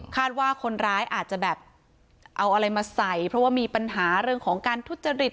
ว่าคนร้ายอาจจะแบบเอาอะไรมาใส่เพราะว่ามีปัญหาเรื่องของการทุจริต